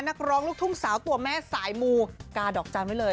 นักร้องลูกทุ่งสาวตัวแม่สายมูกาดอกจันทร์ไว้เลย